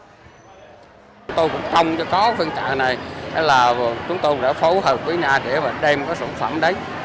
chúng tôi cũng không cho có phiên chợ này chúng tôi đã phối hợp với nhà để đem các sản phẩm đấy